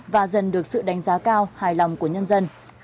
và dần được sự đánh giá cao hài lòng của nhân dân